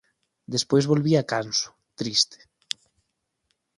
Despois volvía canso, triste.